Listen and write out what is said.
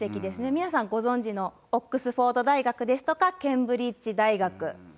皆さん、ご存じのオックスフォード大学ですとか、ケンブリッジ大学。